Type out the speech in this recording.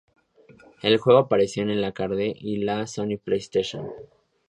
El juego apareció en la arcade y la Sony PlayStation.